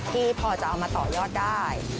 ที่พอจะเอามาต่อยอดได้